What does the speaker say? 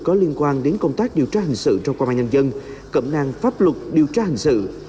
có liên quan đến công tác điều tra hành sự trong công an nhân dân cậm năng pháp luật điều tra hành sự